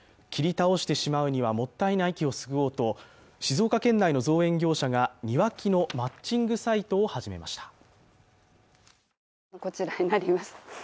切り倒してしまうにはもったいない木を救おうと静岡県内の造園業者が庭木のマッチングサイトを始めました。